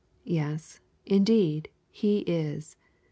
Yes, indeed, he is.